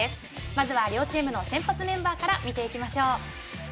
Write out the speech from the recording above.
まず両チームの先発メンバーから見ていきましょう。